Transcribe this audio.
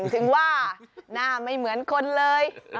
ถึงว่าหน้าไม่เหมือนคนเลย